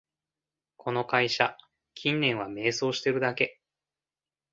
この会社、近年は迷走してるだけ